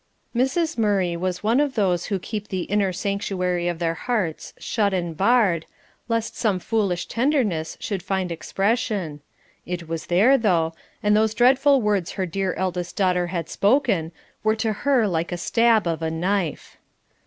Mrs. Murray was one of those who keep the inner sanctuary of their hearts shut and barred, lest some foolish tenderness should find expression; it was there, though, and those dreadful words her dear eldest daughter had spoken were to her like the stab of a knife.